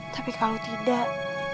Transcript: tapi kalau tidak